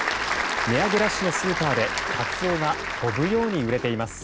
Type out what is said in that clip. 値上げラッシュのスーパーでカツオが飛ぶように売れています。